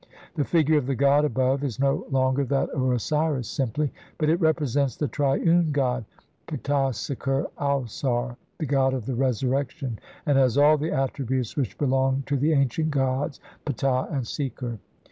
The figure of the god above is no longer that of Osiris simply, but it represents the triune god Ptah Seker Ausar, the god of the resurrection, and has all the attributes which belong to the ancient gods Ptah and Seker.